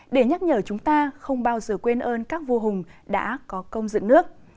để nhắc nhở chúng ta không bao giờ quên ơn các vua hùng đã có công dựng nước